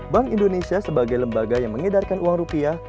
bank indonesia sebagai lembaga yang mengedarkan uang rupiah